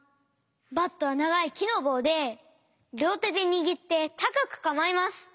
バットはながいきのぼうでりょうてでにぎってたかくかまえます。